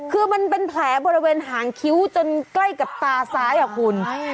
คือมันเป็นแผลบริเวณหางคิ้วจนใกล้กับตาซ้ายอ่ะคุณ